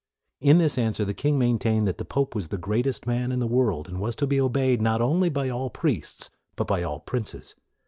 In this answer the king maintained that the pope was the greatest man in the world, and was to be obeyed, not only by all priests, but by all princes.